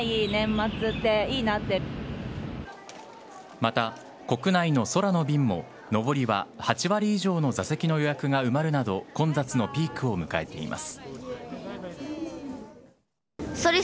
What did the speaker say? また、国内の空の便も上りは８割以上の座席の予約が埋まるなど混雑のピークを迎えています。